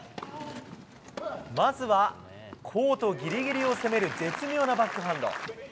まずはコートぎりぎりを攻める絶妙なバックハンド。